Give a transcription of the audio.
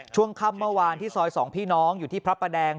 ช่วงค่ำเมื่อวานที่ซอย๒พี่น้องอยู่ที่พระประแดง